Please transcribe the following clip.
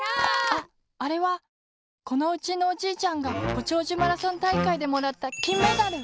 ああれはこのうちのおじいちゃんがごちょうじゅマラソンたいかいでもらったきんメダル！